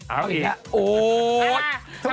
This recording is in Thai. เอาอีก